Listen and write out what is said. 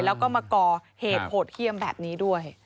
แล้วก็มาก่อเหตุโหดเยี่ยมแบบนี้ด้วย